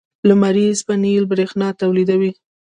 لمریز پینل برېښنا تولیدوي.